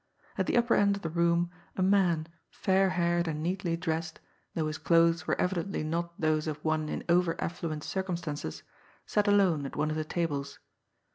At the upper end of the room a man, fair haired and neatly dressed, though his clothes were evidently not those of one in over affluent circumstances, sat alone at one of the tables.